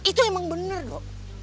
itu emang bener do